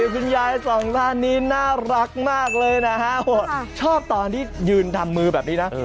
คุณยายสองท่านนี้น่ารักมากเลยนะฮะชอบตอนที่ยืนทำมือแบบนี้นะ